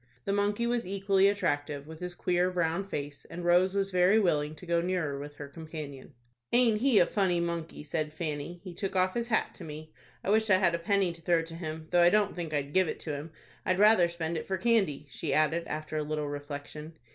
The monkey was equally attractive, with his queer, brown face, and Rose was very willing to go nearer with her companion. [Illustration: "AINT HE A FUNNY MONKEY?"] "Aint he a funny monkey?" said Fanny. "He took off his hat to me. I wish I had a penny to throw to him, though I don't think I'd give it to him. I'd rather spend it for candy," she added, after a little reflection.